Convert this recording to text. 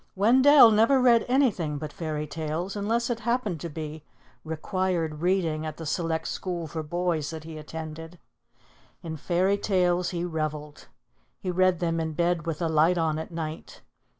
Wendell never read anything but fairy tales, unless it happened to be "required reading" at the select school for boys that he attended. In fairy tales he reveled. He read them in bed with the light on at night.